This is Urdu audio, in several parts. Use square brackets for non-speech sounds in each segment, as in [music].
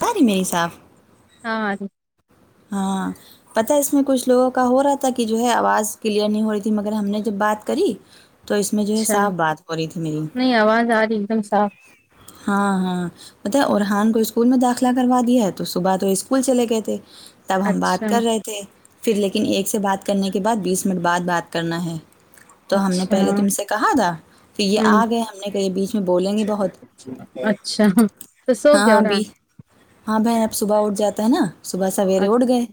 کاری نہی صاف ہاں ہاں پتا اس میں کچھ لوگوں کا ہو رہا تھا کہ جو ہے آواز کلیئر نہیں ہو رہی تھی مگر ہم نے جب بات کری تو اس میں جو ہے اچھا صاف بات ہو رہی تھی میری نہیں آواز آ رہی ایک دم صاف ہاں ہاں بت اورحان کو اسکول میں داخلہ کروا دیا ہے تو صبح تو وہ اسکول چلے گئے تھے تب ہم اچھا بات کر رہے تھے پھر لیکن ایک سے بات کرنے کے بعد بیس منٹ بعد بات کرنا ہے تو ہم نے اچھا پہلے تم سے کہا تھا ک یہ ہوں آ گئے ہم نے کہ یہ بیچ میں بولیں گے بہت اچھا تو سو کیا ہاں ہو رہا بی ہاں بہن اب صبح اٹھ جاتا ہے نا صبح سے ر اڑ گئے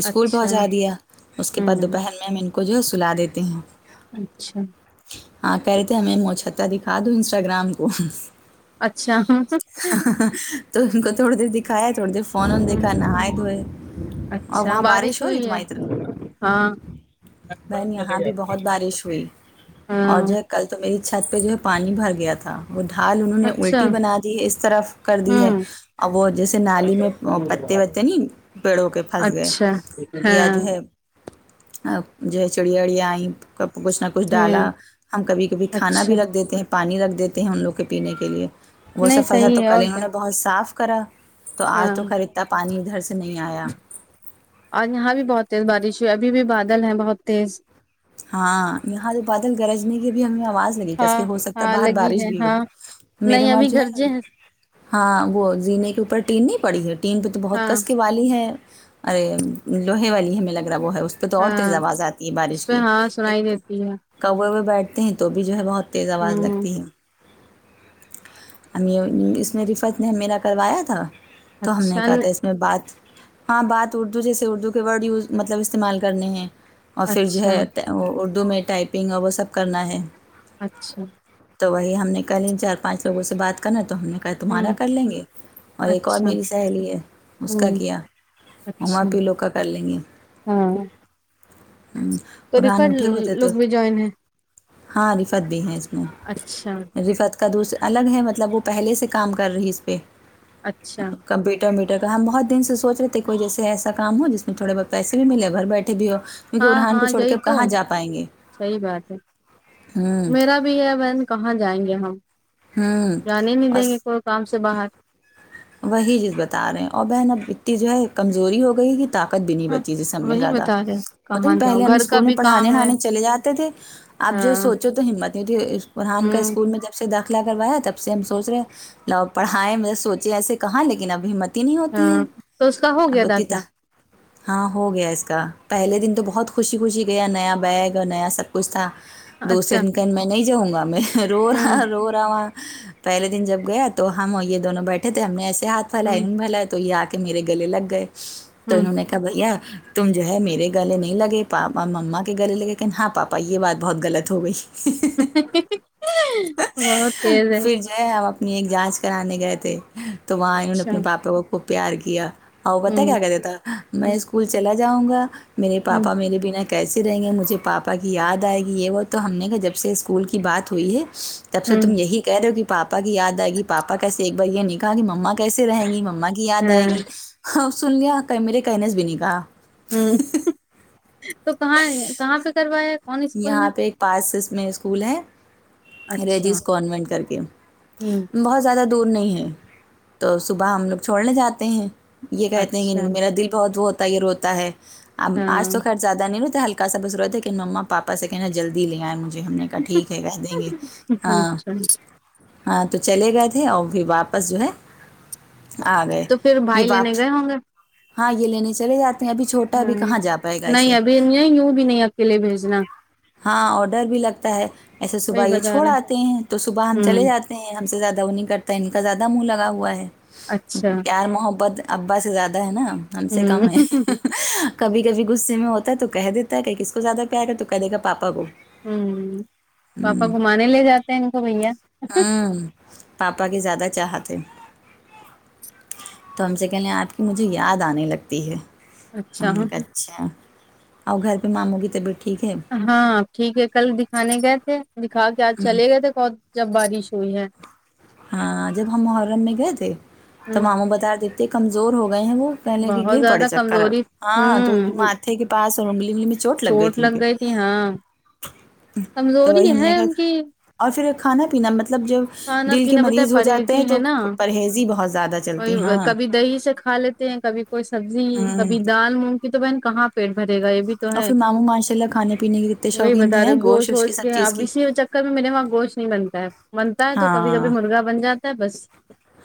اسکول اچھا پہنچا دیا اس کے بعد ہوں دوپہر ھر میں ہم ان کو جو سلا دیتے ہیں اچھا ہاں کہہ رہے تھے ہمیں موچھتا دکھا دوں انسٹاگرام کو اچھا تو ان کو تھوڑی دیر دکھایا تھوڑی دیر فون وون ہ دیکھا نہائے توئے اچھا بارش ہوئی ہے طرف ہاں بہن یہاں بھی بہت بارش ہوئی اور ہاں جب کل تو میری چھت پہ جو ہے پانی بھر گیا تھا وہ ڈھال انہوں نے اچھا الٹی بنا دی اس طرف کر دی ہے ہوں اور وہ جیسے نالی میں پتے وتے نہیں پیڑوں کے پھنس گئے اچھا یا ہاں جو ہے جو چڑیا اڑیا آئی ک کچھ نہ کچھ ہوں ڈالا ہم کبھی کبھی کھانا اچھا بھی رکھ دیتے ہیں پانی رکھ دیتے ہیں ان لوگ کے پینے کے لیے وہ نہیں سب فصا تو صحیح ہے کل اور انہوں کیا نے بہت صاف کرا تو ہاں آج تو خیر اتا پانی ادھر سے نہیں آیا اور یہاں بھی بہت تیز بارش ہوئی ہے ابھی بھی بادل ہے بہت تیز ہاں یہاں تو پاتل گرجنے کی بھی ہمیں آواز لگی کس ہاں کہ ہو سکتا ہے ہاں باہر لگی بارش ہے بھی ہوئی ہاں میرے نہیں وہاں ابھی جو ہے گرجے ہیں ہاں وہ زینے کے اوپر ٹین نہیں پڑی ہے ٹین پہ تو بہت ہاں کس کے والی ہے ارے لوہے والی ہمیں لگ رہا ہے وہ ہے اس پہ تو اور تیز ہاں آواز آتی ہے اس بارش پہ کی ہاں سنائی ایک دیتی ہے کوے ہوئے بیٹھتے ہیں تو بھی جو ہے بہت تیز آواز ہوں لگتی ہے ہم یہ اس میں رفر نے میرا کروایا تھا تو ہم نے اچھا کہا ن- تھا اس بات ہاں بات اردو جیسے اردو کے ورڈ یوز مطلب استعمال کرنے ہیں اور پھر جو اچھا ہے او اردو میں ٹائپنگ اور وہ سب کرنا ہے اچھا تو وہی ہم نے کل ان چار پانچ لوگوں سے بات کرنا تو ہم نے کہ تمہارا ہوں کر لیں گے اور ایک اور اچھا میری سہیلی ہے اس کا ہوں کیا ہم اچھا اپ ہی لوگ کا کر لیں گے ہاں تو قرحن ریفر اٹھے ہوئےتے تو لوگ بھی جوائن ہے ہاں رفت بھی ہے اس میں اچھا رفت کا دوسر الگ ہے مطلب وہ پہلے سے کام کر رہی ہے اس پہ اچھا ٹر میٹر کا ہم بہت دن سوچ رہے کوئی جیسے ایسا کام ہو جس میں تھوڑے بہت پیسے بھی ملیں ہو گھر بیٹھے بھی ہو کیونکہ ہاں اورحان کو ہاں چوڑ کر یہی تو صحیح بات ہے ہوں میرا بھی ہے بہن کہاں جائیں گے ہم ہوں جانے نہیں دیں گے اور کوئی کام سے باہر وہی چیز بتا رہے ہیں اور بہن اب اتنی جو ہے کمزوری ہو گئی کہ طاقت بھی نہیں ہاں بچی جسم میں وہی زیادہ بتا رہے پتا کہاں نہیں جاؤ پہلے ہم گھر کا اسکول میں بھی پڑھانے کام ہے نہڑھانے چلے جاتے تھے آپ جو ہاں سوچو تو ہمت نہیں ہوتی ہ فرحان کا اسکول میں جب سے داخلہ کروایا تب سے ہم سوچ رہے ہیں پڑھیں مے سوچیں ایسے کہاں لیکن ابھی مت تن نہیں ہوتی ہے ہاں تو اس کا ہو گیا داخلہ ابتیتا ہاں ہو گیا اس کا پہلے دن تو بہت خوشی خوشی گیا نیا بیگ نیا سب کچ ھتا دوسرہے اچھا دن کہا میں نہیں جاؤں گا میں رو ہوں رہا رو رہا وہ پہلے دن جب گیا تو ہم یہ دونوں بیٹھے تھے ہم نے ایسے ہاتھ پھل ہ بھ تو یہ آ کے میرے گلے لگ گئے تو ہ انہوں نے کہا بھیا تم جو ہے میرے گلے نہیں لگے پاپا مما کے گلے لگے کہن ہاں پاپا یہ بات بہت غلط ہو گئی بہت تیز ہے فج ہم اپنی ایک جانچ کرانے گئے تھے تو وہاں انہوں نے اچھا اپنے پاپا کو خوب پیار کیا آپ پتا کیا ہوں کرتا تھا میں ہوں اسکول چلا جاؤں گا میرے ہوں پاپا میرے بنا کیس رہیں گے مجھے پاپا کی یاد آئے گی یہ وہ تو ہم نے جب سے اسکول کی بات ہوئی ہے تب سے ہوں تم یہی کہہ رہے ہو کہ پاپا کی یاد آئے گی پاپا کیسے ایک بار یہ نک کہا کہ مما کیسے رہیں گی مما کی یاد آئے ہاں گی سن لیا میرے کہنے سے بھی نہیں کہا ہ تو کہاں کہاں پہ کروایا کون اسکول میں یہاں پہ ایک پانس سس میں اسکول ہے اچھا رجیس کانوینٹ کر کے ہوں بہت زیادہ دور نہیں ہے تو صبح ہم لوگ چھوڑنے جاتے ہیں یہ کہتے ہیں اچھا کہ میرا دل بہت وہ ہوتا ہے یہ روتا ہے آج ہاں تو خرچ زیادہ نہیں رہتے ہلکا کا سا بس روتے لیکن مما پاپا سے کہنا جلدی لینی آئیں جی ہم نے کہا ٹھیک ہے کہ دیں گے ہاں اچھا ہاں تو چلے گئے تھے اور پھر واپس جو ہے آ گئے تو پھر یہ بھائی بات لینے گئے ہوں گے ہاں یہ لینے چلے جاتے ہیں ابی چھوٹا ہاں ابی کہاں جا پائے گا اس نہیں ابھی نہیں یوں بھی نہیں آ کے لیے بھیجنا ہاں اور ڈر بھی لگتا ہے ایسے وہی صبح یہ بتا چھوڑ رہے آتے ہیں تو صبح ہم چلے ہوں جاتے ہم سے زیادہ وہ نہیں کرتا ان کا زیادہ منہ لگا ہوا ہے اچھا پیار محبت ابا سے زیادہ ہے نا ہم سے کم ہے ہوں کبھی کبھی غصے میں ہوتا ہے تو کہہ دیتا ہے کہ کس کو زیادہ پیار کر تو کہہ دے گا پاپا کو ہوں پاپا گھومانے لے جاتے ہیں ان کو بھیا ہوں پاپا کی زیادہ چاہت ہے تو ہم سے کہے لیں آپ کی مجھے یاد آنے لگتی ہے اچھا ہاں اچھا اور گھر پہ ماموں کی طبیعت ٹھیک ہے ہاں ٹھیک ہے کل دکھانے گئے تھے دکھا کے آج چلے گئے تھے بہت جب بارش ہوئی ہے ہاں جب ہم محرم میں گئے تھے تو ہوں ماموں بتا دیتے کمزور ہو گئے ہیں وہ پہلے کہ بہت گخر پڑے زیادہ چکر ا کمزوری ہاں تو ہوں ماتھے کے پاس اور انگلی انگلی میں چوٹ لگ گئی تھی ان کے ہاں تو وہی کمزوری ہم نے ہے کیا ان کی اور پھر کھانا پینا مطلب جو کھانا پینا بتائے پرہیزی ہے نا پرہیزی بہت زیادہ چلتی وہ ہاں کبھی دہی سے کھا لیتے ہیں کبھی کوئی سبزی ہوں کبھی دال مونگ کی تو بہن کہاں پیٹ بھرے گا یہ بھی تو اور ہے پھر ماموں ماشاء اللہ کھانے پینے کے کتنے وہی شوقین تھے بتا ہیں رہے گوشت گوش ووش کی وش سب کے چیز اب کی اسی چکر کبھی میرے وہاں گوشت نہیں بنتا ہے بنتا ہے تو کبھی کبھی ہاں مرغا بن جاتا ہے بس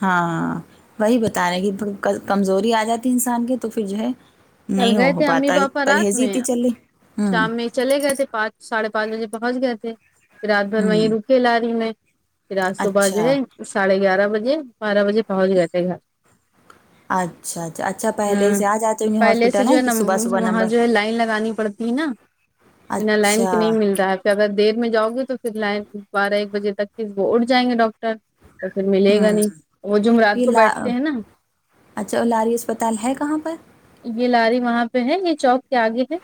ہاں وہی بتا رہے کہ کمزوری آ جاتی انسان کی تو پھر جو ہے کل نہیں گئے ہو تھے امی پاتا ہے پاپا رات پرہیزی میں تھی چللی ہوں شام میں چلے گئے تھے پانچ ساڑھے پانچ بجے پہنچ گئے تھے پھر رات بھر وہیں ہوں رکے لااری میں پھر آج صبح جو اچھا ہے ساڑھے گیارہ بجے بارہ بجے پہنچ گئے تھے گھر اچھا اچھا اچھا پہلے ہوں سے آ جاتے گے پہلے سے ہاسپٹل جو ہیں ہے کہ نا صبح صبح وہاں نمبر جو ہے لائن لگانی پڑتی ہے نا بینا لائن اچھا کی نہیں مل رہا ہے پھر اگر دیر میں جاؤ گے تو پھر لائن بارہ ایک بجے تک وہ اٹھ جائیں گے ڈاکٹر تو پھر ملے گا ہوں نہیں وہ جم رات یہ کو لا بیٹھتے ہیں نا اچھا اور لاری اسپتال ہے کہاں پر یہ لاری وہاں پہ ہے یہ چوک کے آگے ہے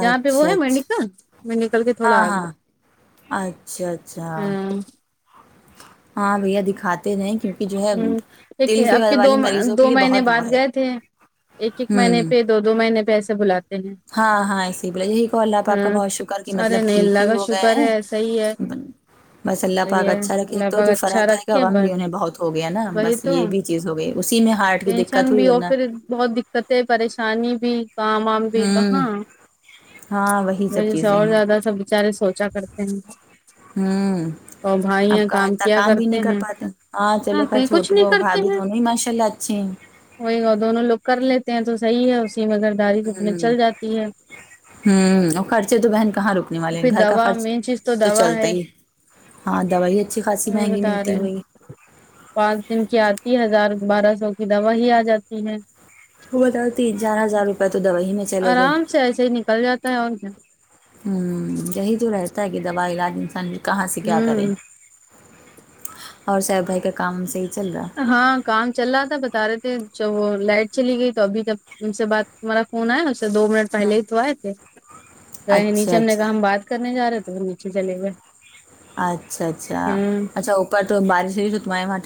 جاں پہ وہ ہے اچھا میڈیکل میڈیکل کے تھوڑا ہاں آگے ہاں اچھا اچھا ہاں ہاں بھیا دکھاتے نہیں کیونکہ جو ہے ہوں ایک دل کے اب والے دو مریضوں کے دو لیے مہینے بہت وہ بعد ہے گئے تھے ایک ایک مہینے ہوں پہ دو دو مہینے پہ ایسے بلاتے ہے ہاں ہاں اسی بولے یہی کو اللہ پاک کا ہاں بہت شکر کہ ارے مطلب نہیں ٹھیک اللہ ہی کا ہو گئے شکر ہیں ہے صحی ہے بس اللہ پاک یہ اچھا رکھے لگ ایک تو بھگ جو اچھا فرحت بھائی کا رکھے غم بس بھی انہیں بہت ہو گیا نا وہی بس تو یہ بھی چیز ہو گئی اسی میں ہارٹ کی دقت ٹینشن ہوئی بھی ہو ورنہ پھر بہت دی کتھ ہے پریشانی بھی کام وام بھی ہوں کہاں ہاں اس وہی سب وجہ سے چیزیں اور ہیں زیادہ سب بچارے سوچا کرتے ہیں ہمم اور بھائی اپ ہیں کہاں اتا کیا کام بھی کرتے نہیں کر ہیں پاتے ہاں چلو خیر کہیں کچھ چھوٹو نہیں ہو کرتے بھابہی ہیں دونوں ہی ماشاء اللہ اچھے ہیں وہی گا دونوں لوگ کر لیتے ہیں تو صحیح ہے اسی مزرداری سے اپنے چل جاتی ہے ہمم اور خرچے تو بہن کہاں رکنے اور والے ہیں پھر گھر کا دوا خرچ مین چیز تو دوا چلتا ہے ہی ہاں دوائی اچھی خاصی وہی مہنگی بتا ملتی رہے ہیں ہوئی پانچ دن کی آتی ہزار بارہ سو کی دوا ہی آ جاتی ہے وہ بتاؤ تین چار ہزار روپئے تو دوائی میں چلے گئے آرام سے ایسے ہی نکل جاتا ہے اور کیا ہم یہی تو رہتا ہے کہ دوا علاج انسان کہاں سے کیا کرے ہوں اور سیف بھائی کا کام سہی چل رہا ہاں کام چل رہا تھا بتا رہے تھے جب وہ لائٹ چلی گئی تو ابھی جب ان سے بات تمہارا فون آیا نا اس سے دو منٹ پہلے ہوں ہی تو آئے تھے کہے اچھا نیچے ہم نے اچھا کہا ہم بات کرنے جا رہے تھے نیچے چلے ہوئے اچھا اچھا اچھا اپر تو بارش ہوئی تو مہارے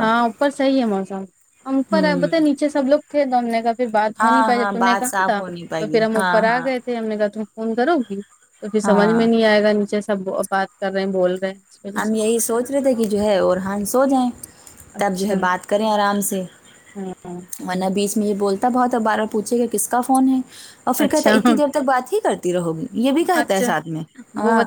ہاں اوپر صحی ہے موسم ہم اوپر آئے پتا ہوں نیچے سب لوگ تھے تو ہم نے کہ پھر بات ہو نہیں ہاں پائی ہاں جب تم نے بات کہا صاف تھا ہو نہیں پائے تو گی پھر ہم ہاں اوپر آ ہاں گئے تھے ہم نے کہا تم فون کرو گی تو پھر سمجھ میں ہاں نہیں آئے گا نیچے سب بات کر رہے ہیں بول رہے ہیں اس وجہ ہم سے یہی سوچ رہے تھے کہ جو ہے اوررحان سو جائیں تب جو ہے اچھا بات کریں آرام سے ہاں ورنہ بیچ میں یہ بولتا بہ دوبارہ ہے پوچھے گا کس کا فون ہے اور پھر کہتا اچھا ہے اتنی ہاں دیر تک بات ہی کرتی رہو گی یہ بھی کہتا ہے ساتھ میں ہاں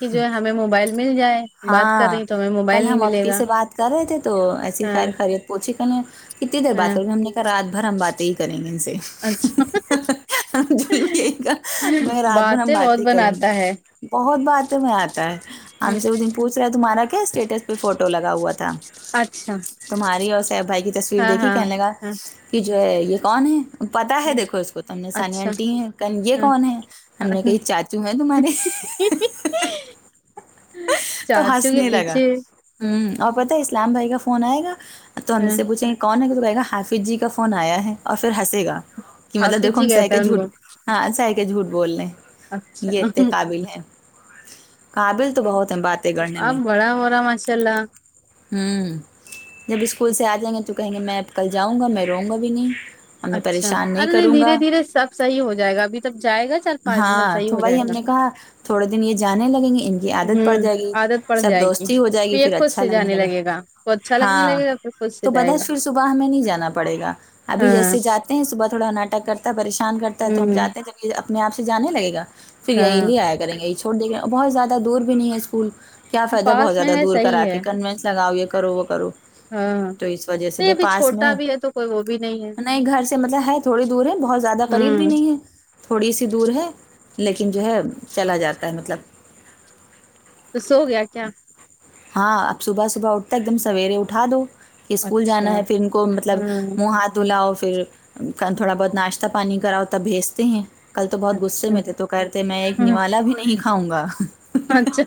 کی جو ہے ہمیں موبائل مل جائے بات کر ہاں رہی تو میں کل ہم اپپی سے بات کر رہے تھے تو ایسی ہاں خیر خیریت پوچھی کنے کتنی دیر بات ہاں کر گے ہم نے کہا رات بھر ہم باتیں ہی کریں گے ان سے اچھا نہیں رات بھر ہم بہت باتیں ہی کریں بناتا ہے گے بہت باتیں میں آتا ہے ہم ہوں، سے پوچھ رہا ہے تمہارا کیا اسٹیٹس پہ فوٹو لگا ہوا تھا اچھا تمہاری اور سیف بھائی کی تصویر ہاں دیکھی ہاں کہنے لگا ہاں کہ جو ہے یہ کون ہے پتاہ ہے ہوں، دیکھو اس کو تم نے ثانیہ اچھا آنٹی ہیں یہ ہاں کون ہے ہم ہاں، نے کہی ہوں۔ چاچو ہیں تمہارے تو چاچو کے ہنسنے لگا پیچھے ہوں، ہ اور پت اسلام بھائی کا فون آئے گا تو ہم اس ہاں، سے پوچھیں کون ہے کہ تو کہے گا ہائیفف جی کا فون آیا ہے اور پھرنسے گا کہ مطلب حافظ دیکھو جی ہم سے کہتا کہ ہے ان جھوٹ کو ہاں سح کے جھوٹ بول لے اچھا یہ اتے قابل ہیں قابل تو بہت ہے بات اب بڑا ہورا ماشاللہ ہوں جب اسکول سے آ جائیں گے تو کہیں گے میں کل جاؤں گا میں روں گا بھی نہیں میں اچھا پریشان نہیں ارے کروں گا دھیرے دھیرے سب صحیح ہو جائے گا ابھی تب جائے گا چار پانچ دن تب ہاں صحیح تو ہو وہی جائے گا ہم نے کہا تھوڑے دن یہ جانے لگیں گے ان کی عادت پڑ ہوں جائے گی عادت پڑ سب جائے گی دوستی ہو جائے گی یہ پھر خود اچھا سے لگنے جانے لگا لگے گا کو اچھا لگنے ہاں لگے گا پھر خود سے تو پتہ جائے ہے گا پھر صبح ہمیں نہیں جانا پڑے گا ابھی ہاں جیسے جاتے ہیں صبح تھوڑا ناٹک کرتے پریشان کرتا ہے تو ہم ہوں جاتے ہیں جب یہ اپنے آپ سے جانے لگے گا پھر یہی ہاں لے آئے گا کریں گے یہ چھوڑ د بہت زیادہ دور بھی نہیں ہے اسکول کیا فائدہ بہت پاس میں زیادہ ہے دور کرا صحیح کے ہے کنوینس لگاؤ یہ کرو وہ کرو ہاں تو اس وجہ سے نہیں جو ابھی پاس میں چھوٹا بھی ہے تو کوئی وہ بھی ہے نہیں گھر سے مطلب ہے تھوڑی دور ہے بہت زیادہ قریب بھی ہوں نہیں ہے تھوڑی سی دور ہے لیکن جو ہے چلا جاتا ہے مطلب تو سو گیا کیا ہاں اب صبح صبح اٹھتا ایک دم سویرے اٹھا دو کہ اسکول جانا اچھا ہے پھر ان کو مطلب ہاں منہ ہاتھ دھلاؤ پھر تھوڑا بہت ناشتہ پانی کراؤ تب بھیجتے ہیں کل تو بہت غصے اچھا میں تھے تو کہتے تھے میں ایک ہ نوالا بھی نہیں کھاؤں گا اچھا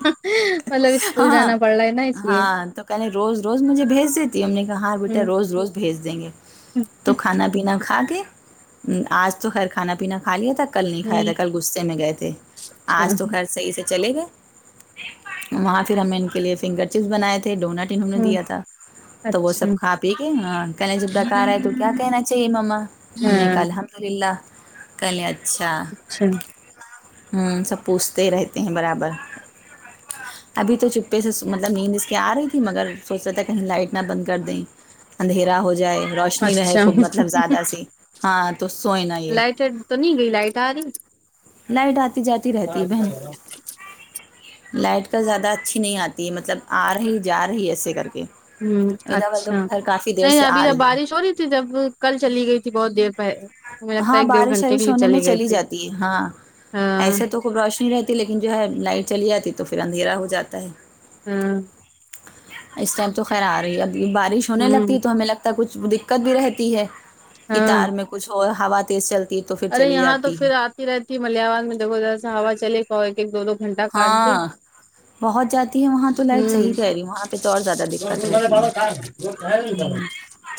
مطلب اسکول جانا پڑ رہا ہے نا اس لیے کہہیں روز روز مجھے بھیج دیتی ہم نے کہا ہاں بیٹا ہ روز روز بھیج دیں گے تو کھانا پینا کھا کے آج تو خیر کھانا پینا کھا لیا تھا کل نہیں کھایا تھا اچھا کل غصے میں گئے تھے آج تو خیر صحیح سے چلے گئے وہاں پھر ہمیں ان کے لیے فنگر چپس بنائے تھے ڈونٹ انہوں نے ہ دیا تھا تو وہ اچھا سب کھا پی کے کہنے جب ڈکا آئے تو کیا کہنا چاہیے ماما ہم نے کہا ہاں الحم دللہ کہے اچھا اچھا ہوں سب پوچھتے رہتے ہیں برابر ابھی تو چپے سے مطلب نیند اس کے آ رہی تھی مگر سوچ رہ تھا کہیں لائٹ نہ بند کر دیں اندھیرا ہو جائے روش نی رہے خوب اچھا مطلب زیادہ س ہاں تو سوئے نا یہ لائٹ تو نہیں گئی لائٹ آ لائٹ آتی جاتی رہتی ہے بہن رہی لائٹ کا زیادہ اچھی نہیں آتی ہے مطلب آ رہی جا رہی ہے ایسے کر کے ہوں ادا وال تو اچھا گھر کافی دیر نہیں سے ابھی آ جب بارش ہے ہو رہی تھی جب کل چلی گئی تھی بہت دیر ہمیں لگتا ہاں ہے ایک ڈڑھ بارش گھنٹے کے وارش لیے ہونے میں چلی گئی تھی جاتی ہے ہاں ہاں ایسے تو روشنی رہتی لیکن جو ہے لائٹ چلی جاتی تو پھر اندھیرا ہو جاتا ہے ہاں اس ٹائم تو خیر آ رہی ہے اب بارش ہونے ہوں لگتی تو ہمیں لگتا ہے کچھ دقت بھی رہتی ہے کی ہاں تار میں کچھ اور ہوا تیز چلتی ہے تو پھر ارے چلی یہاں تو جاتی پھر ہے آتی رہتی ملیا میں دذا سا ہوا چلے گ ایک ایک دو دو گھنٹہ کاٹ دے ہاں بہت جاتی ہے کا وہاں تو لائٹ صحیح کہہ رہی ہوں، وہاں پہ تو اور زیادہ دقت رہتی ہے [unintelligible] ہوں،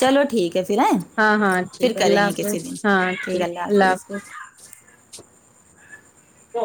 چلو ٹھیک ہے پھر ہیں ہاں ہاں پھر ٹھیک ہے اللہ کریں گے کسی دن حافظ ہاں ٹھیک ہے اللہ حافظ تو